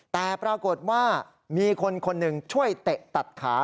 แต่ปรากฏว่ามีคนคนหนึ่งช่วยเตะตัดขา